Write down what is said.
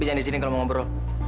bisa di sini kalau mau ngobrol